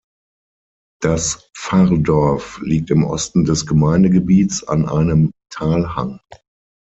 Das Pfarrdorf liegt im Osten des Gemeindegebiets an einem Talhang.